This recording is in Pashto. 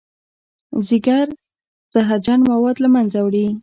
ځیګر زهرجن مواد له منځه وړي